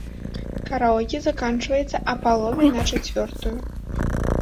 Караоке заканчваецца а палове на чацвёртую.